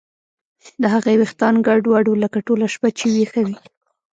د هغې ویښتان ګډوډ وو لکه ټوله شپه چې ویښه وي